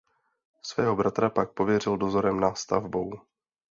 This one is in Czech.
Svého bratra pak pověřil dozorem na stavbou.